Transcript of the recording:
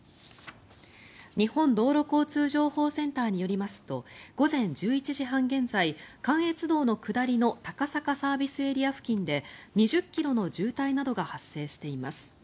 日本道路交通情報センターによりますと午前１１時半現在関越道の下りの高坂ＳＡ付近で２０ｋｍの渋滞などが発生しています。